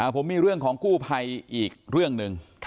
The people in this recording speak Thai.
ผมมีเรื่องของกู้ภัยอีกเรื่องหนึ่ง